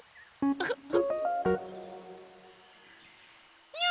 ウフフフ！